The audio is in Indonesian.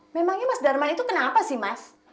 memangnya mas darman itu kenapa sih mas